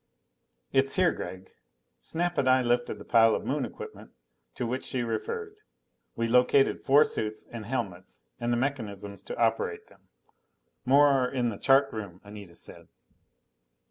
"It's here, Gregg." Snap and I lifted the pile of Moon equipment to which she referred. We located four suits and helmets and the mechanisms to operate them. "More are in the chart room," Anita said.